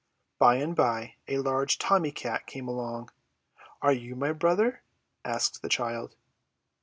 By and by a large Tommy Cat came along. "Are you my brother?" asked the child.